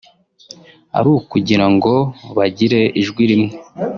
ari ukugira ngo bagire ijwi rimwe